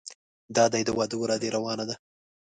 دادی د واده ورا دې روانه ده.